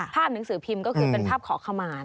หนังสือพิมพ์ก็คือเป็นภาพขอขมาร